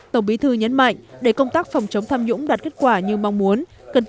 tổng bí thư nhấn mạnh để công tác phòng chống tham nhũng đạt kết quả như mong muốn